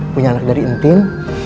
punya anak dari intin